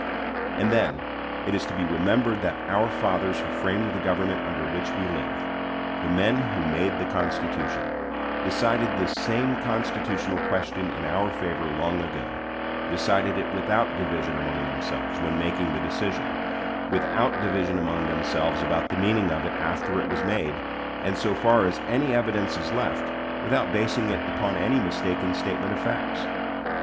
And then it is to be remembered that "our fathers who framed the government under which we live" the men who made the Constitution decided this same constitutional question in our favor long ago: decided it without division among themselves when making the decision; without division among themselves about the meaning of it after it was made, and, so far as any evidence is left, without basing it upon any mistaken statement of facts.